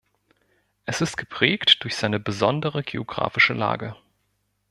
Es ist geprägt durch seine besondere geographische Lage.